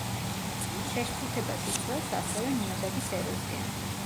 შეშფოთებას იწვევს, ასევე, ნიადაგის ეროზია.